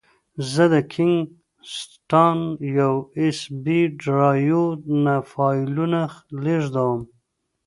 زه د کینګ سټان یو ایس بي ډرایو نه فایلونه لېږدوم.